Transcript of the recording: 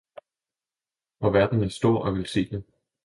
og hvor verden er stor og velsignet!